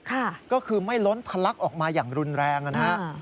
ค่ะก็คือไม่ล้นทะลักออกมาอย่างรุนแรงนะฮะ